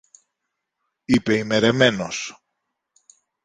είπε ημερεμένος.